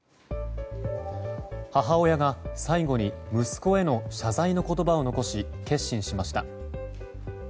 母親が最後に息子への謝罪の言葉を残し結審しました。